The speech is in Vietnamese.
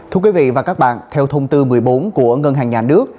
thưa quý vị và các bạn theo thông tư một mươi bốn của ngân hàng nhà nước